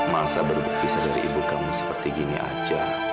masa berbukisah dari ibu kamu seperti gini aja